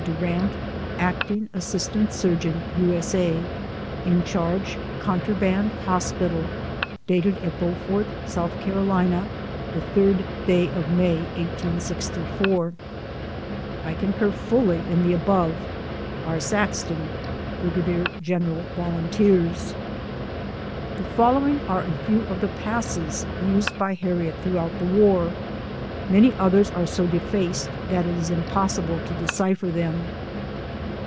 DUEEANT, Acting Assistant Surgeon, II. S. A. In charge " Contraband " Hospital. Dated at Beaufort. S. C., the 3d day of May, 1864. I concur fully in the above. R. SAXTON, Brig. Gen. Vol. The following are a few of the passes used by Harriet throughout the war. Many others are so defaced that it is impossible to decipher them.